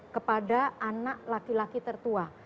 kepada anak laki laki tertua